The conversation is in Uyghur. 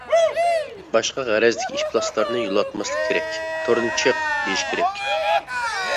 باشقا غەرەزدىكى ئىپلاسلارنى يولاتماسلىق كېرەك، توردىن چىق، دېيىش كېرەك.